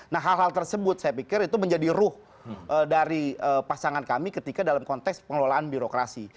nah hal hal tersebut saya pikir itu menjadi ruh dari pasangan kami ketika dalam konteks pengelolaan birokrasi